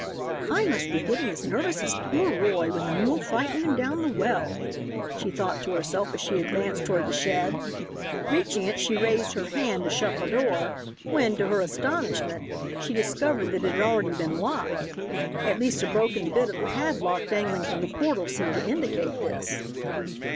"I must be getting as nervous as poor Roy when the mule frightened him down the well," she thought to herself as she advanced toward the shed. Reaching it she raised her hand to shut the door when, to her astonishment, she discovered that it had apparently been locked, at least a broken bit of the padlock dangling from the portal seemed to indicate this.